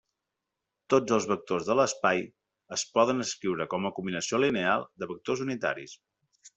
Tots els vectors de l'espai es poden escriure com a combinació lineal de vectors unitaris.